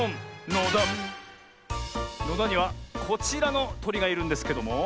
ノダン！のだにはこちらのとりがいるんですけども。